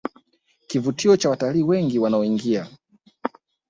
kivutio cha watalii wengi wanaoingia